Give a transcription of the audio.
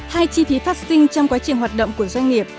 hai chi phí phát sinh trong quá trình hoạt động của doanh nghiệp